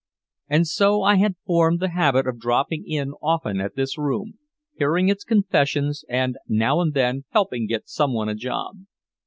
And so I had formed the habit of dropping in often at this room, hearing its confessions and now and then helping get someone a job.